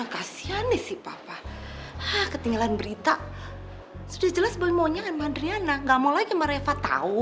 kasian nih si papa ketinggalan berita sudah jelas boy maunya sama adriana gak mau lagi sama reva tau